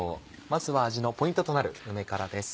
まずは味のポイントとなる梅からです。